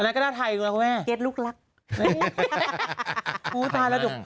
อันนั้นก็ได้ไทยกูแล้วคุณแม่เกรสลูกรักอุ้ยไอ้หัวหัวหัว